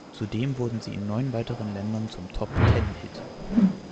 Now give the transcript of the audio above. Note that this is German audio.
Zudem wurde sie in neun weiteren Ländern zum Top-Ten-Hit.